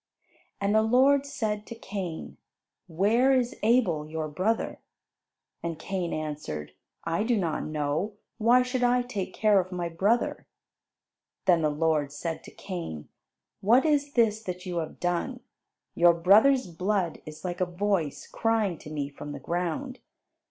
And the Lord said to Cain, "Where is Abel, your brother?" [Illustration: Cain and Abel] And Cain answered, "I do not know; why should I take care of my brother?" Then the Lord said to Cain, "What is this that you have done? Your brother's blood is like a voice crying to me from the ground.